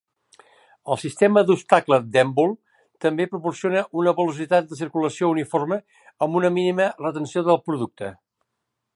El sistema d'obstacle d'èmbol també proporciona una velocitat de circulació uniforme amb una mínima retenció de producte.